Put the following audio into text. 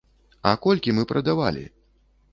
А колькi мы прадавалi?..